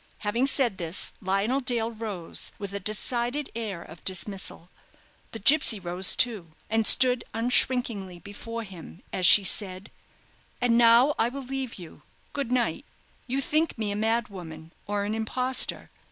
Having said this, Lionel Dale rose, with a decided air of dismissal. The gipsy rose too, and stood unshrinkingly before him, as she said: "And now I will leave you. Good night. You think me a mad woman, or an impostor.